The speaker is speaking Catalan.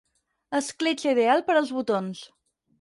Escletxa ideal per als botons.